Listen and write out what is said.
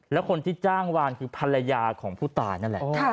แล้วคนที่จ้างวานคือภรรยาของผู้ตายนั่นแหละ